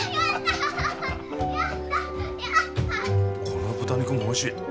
この豚肉もおいしい。